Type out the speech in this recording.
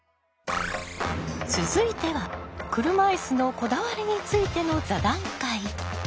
続いては車いすのこだわりについての座談会。